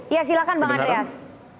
ya silahkan bang andreas